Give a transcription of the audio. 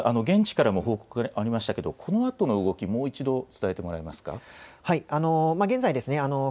今、現地からも報告がありましましたけれどこのあとの動き、もう一度伝えてもらえますか。